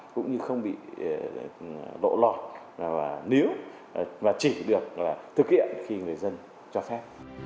cũng như không bị lộ lọt níu và chỉ được thực hiện khi người dân cho phép